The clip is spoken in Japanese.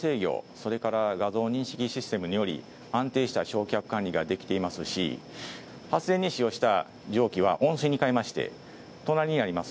それから画像認識システムにより安定した焼却管理ができていますし発電に使用した蒸気は温水にかえまして隣にあります